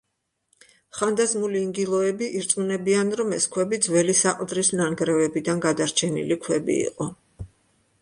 ხანდაზმული ინგილოები ირწმუნებიან, რომ ეს ქვები ძველი საყდრის ნანგრევებიდან გადარჩენილი ქვები იყო.